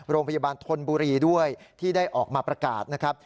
โรงพยาบาลทนบุรีด้วยที่ได้ออกมาประกาศนะครับ